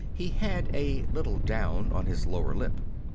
He had a little down on his lower lip.